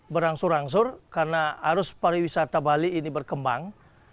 berangsur angsur karena arus pariwisata bali ini berkembang